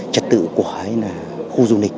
trật tự của khu du lịch